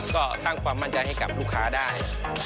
ก็สร้างความมั่นใจให้กับลูกค้าได้